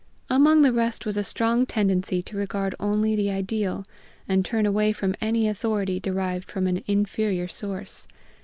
Among the rest was a strong tendency to regard only the ideal, and turn away from any authority derived from an inferior source.